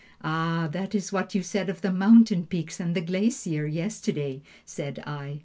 "'Ah, that is what you said of the mountain peaks and the glacier, yesterday,' said I."